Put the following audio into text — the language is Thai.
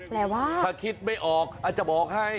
แปลว่าถ้าคิดไม่ออกอาจจะบอกให้